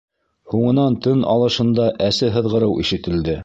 Һуңынан тын алышында әсе һыҙғырыу ишетелде.